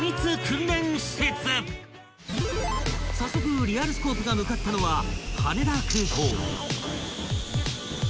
［早速リアルスコープが向かったのは］